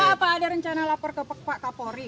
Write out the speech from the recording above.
apa ada rencana lapor ke pak kapolri